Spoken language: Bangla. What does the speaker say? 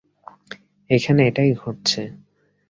এখানে এটাই ঘটছে।